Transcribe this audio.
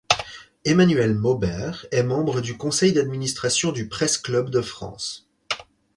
Emmanuel Maubert est membre du conseil d'administration du Press Club de France.